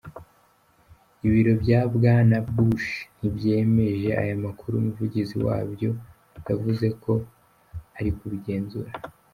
Ibiro bya Bwana Bush ntibyemeje aya makuru, umuvugizi wabyo yavuze ko ari kubigenzura.